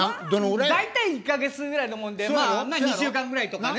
まあ大体１か月ぐらいのもんでまあ２週間ぐらいとかね。